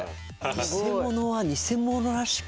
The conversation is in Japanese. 偽物は偽物らしく？